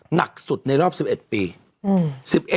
หนักสุดในรอบ๑๑ปี